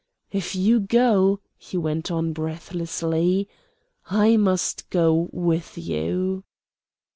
"IF you go," he went on, breathlessly, "I must go with you."